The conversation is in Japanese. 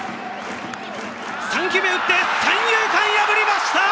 ３球目を打って三遊間を破りました！